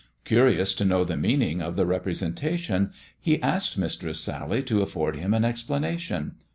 Curious to know the meaning of the representa tion, he asked Mistress Sally to afford him an explanation.